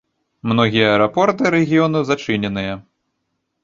Многія аэрапорты рэгіёну зачыненыя.